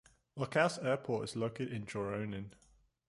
Varkaus Airport is located in Joroinen.